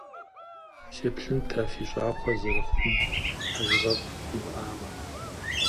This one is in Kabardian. Сеплъынт, а фи щӏакхъуэр зэрыхъум, хьэжыгъэфӏ фимыӏамэ.